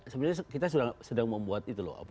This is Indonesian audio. sebenarnya kita sedang membuat itu loh